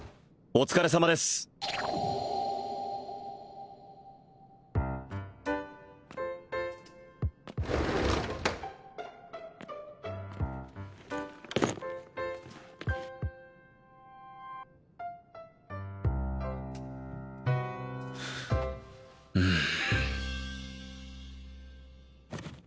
お疲れさまですうん